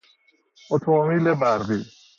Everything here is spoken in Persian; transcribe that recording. اتومبیل برقی